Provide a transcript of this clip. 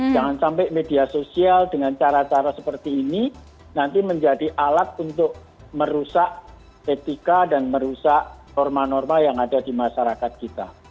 jangan sampai media sosial dengan cara cara seperti ini nanti menjadi alat untuk merusak etika dan merusak norma norma yang ada di masyarakat kita